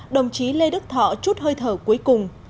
đồng chí lê đức thọ chút hơi thở cuối cùng